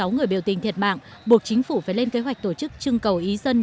sáu người biểu tình thiệt mạng buộc chính phủ phải lên kế hoạch tổ chức trưng cầu ý dân